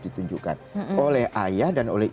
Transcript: ditunjukkan oleh ayah dan oleh